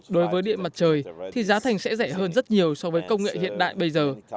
đối với điện mặt trời thì giá thành sẽ rẻ hơn rất nhiều so với công nghệ hiện đại bây giờ